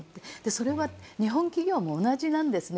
それは日本企業も同じなんですね。